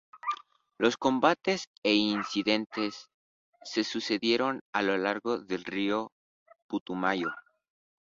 Los combates e incidentes se sucedieron a lo largo del río Putumayo.